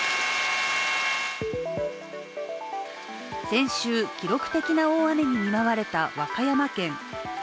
先週、記録的な大雨に見舞われた和歌山県。